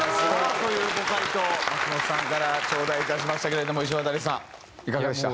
というご回答を松本さんからちょうだい致しましたけれどもいしわたりさんいかがでした？